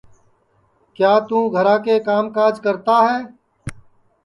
کیا توں گھرا کے کام کاج کرتا ہے